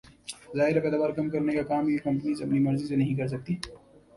ظاہر ہے پیداوار کم کرنے کا کام یہ کمپنیز اپنی مرضی سے نہیں کر سکتیں